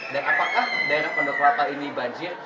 dan apakah daerah pondok kelapa ini